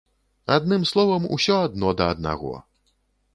Адным словам, усё адно да аднаго.